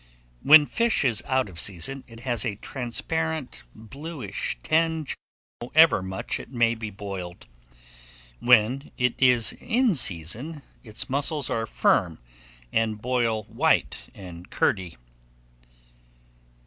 When fish is out of season, it has a transparent, bluish tinge, however much it may be boiled; when it is in season, its muscles are firm, and boil white and curdy.